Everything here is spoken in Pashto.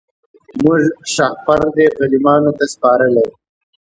موږ شهپر دی غلیمانو ته سپارلی